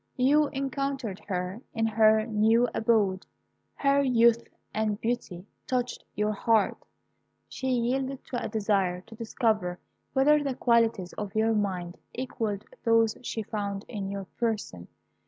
You encountered her in her new abode. Her youth and beauty touched your heart. She yielded to a desire to discover whether the qualities of your mind equalled those she found in your person.